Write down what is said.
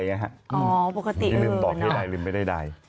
อ๋อปกติเออไม่ได้ลืมตอบให้ใดลืมไม่ได้ใด